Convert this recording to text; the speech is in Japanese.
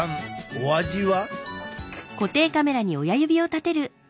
お味は？